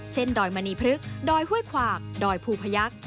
ดอยมณีพฤกษอยห้วยขวากดอยภูพยักษ์